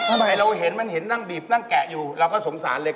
ทำไมเราเห็นมันเห็นนั่งบีบนั่งแกะอยู่เราก็สงสารเลย